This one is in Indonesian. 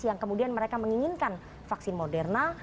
yang kemudian mereka menginginkan vaksinnya